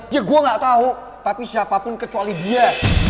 ya gue gak tahu tapi siapapun kecuali dia